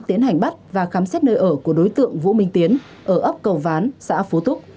tiến hành bắt và khám xét nơi ở của đối tượng vũ minh tiến ở ấp cầu ván xã phú túc